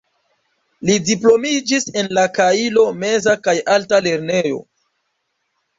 Li diplomiĝis en la Kaijo-meza kaj alta lernejo.